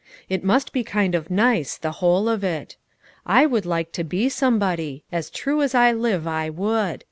It must be kind of nice, the whole of it. I would like to be somebody, as true as I live, I would.